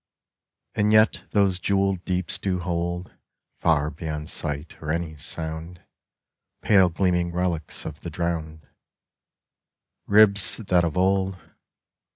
. And yet those jewelled deeps do hold Far beyond sight or any sound Pale gleaming relics of the drowned Ribs that of old 35